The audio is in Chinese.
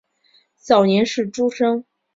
早年是诸生。